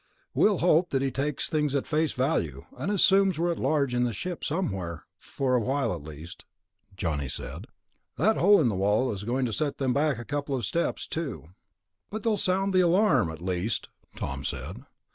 "We'll hope that he takes things at face value, and assumes we're at large in the ship somewhere, for a while at least," Johnny said. "That hole in the wall is going to set them back a couple of steps, too." "But they'll sound the alarm, at least," Tom said.